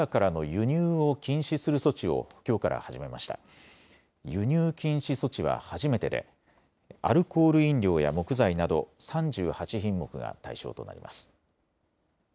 輸入禁止措置は初めてでアルコール飲料や木材など３８品目が対象となります。